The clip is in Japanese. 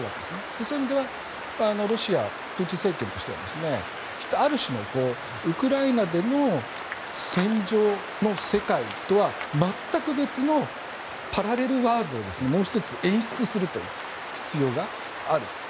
そういう意味ではロシア、プーチン政権としてはある種のウクライナでの戦場の世界とは全く別のパラレルワールドをもう１つ演出するという必要がある。